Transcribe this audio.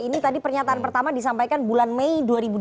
ini tadi pernyataan pertama disampaikan bulan mei dua ribu dua puluh